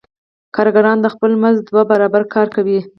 کارګران د خپل مزد دوه برابره کار کوي